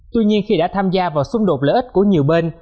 tuy nhiên khi đã tham gia vào xung đột lợi ích của nhiều bên